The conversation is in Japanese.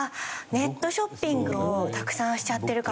ネットショッピングをたくさんしちゃってるから。